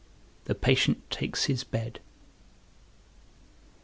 _The patient takes his bed.